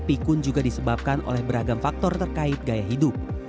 pikun juga disebabkan oleh beragam faktor terkait gaya hidup